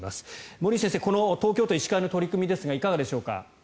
森内先生東京都医師会の取り組みですがいかがでしょうか？